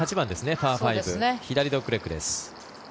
パー５、左ドッグレッグです。